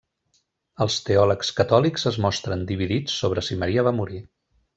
Els teòlegs catòlics es mostren dividits sobre si Maria va morir.